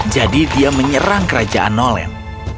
jadi dia menyerang kerajaan nolen